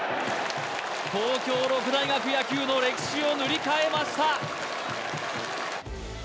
東京六大学野球の歴史を塗り替えました